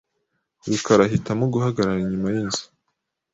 rukara ahitamo guhagarara inyuma yinzu .